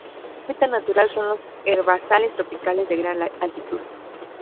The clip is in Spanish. Su hábitat natural son los herbazales tropicales de gran altitud.